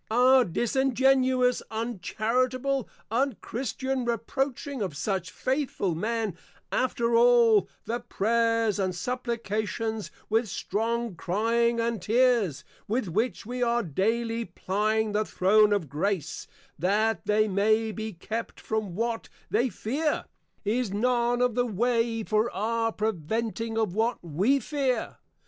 Our Disingenuous, Uncharitable, Unchristian Reproaching of such Faithful Men, after all, The Prayers and Supplications, with strong Crying and Tears, with which we are daily plying the Throne of Grace, that they may be kept, from what They Fear, is none of the way for our preventing of what We Fear.